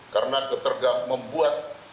karena ketergangguan membuat